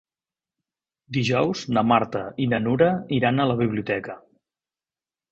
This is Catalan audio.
Dijous na Marta i na Nura iran a la biblioteca.